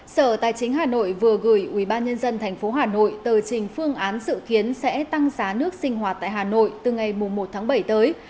sở tài chính hà nội vừa gửi ủy ban nhân dân thành phố hà nội tờ trình phương án dự kiến sẽ tăng giá nước sinh hoạt tại hà nội từ ngày một bảy tới